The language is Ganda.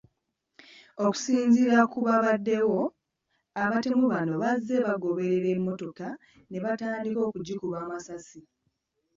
Okusinziira ku baabaddewo, abatemu bano bazze bagoberera emmotoka ne batandika okugikuba amasasi.